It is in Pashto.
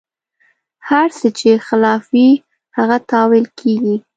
هر څه چې خلاف وي، هغه تاویل کېږي.